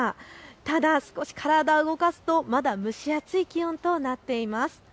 ただ少し体を動かすとまだ蒸し暑い気温となっています。